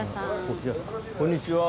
こんにちは。